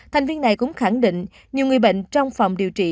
thành viên này cũng khẳng định nhiều người bệnh trong phòng điều trị